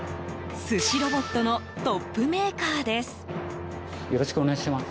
寿司ロボットのトップメーカーです。